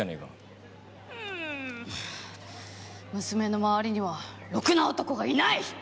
娘の周りにはろくな男がいない！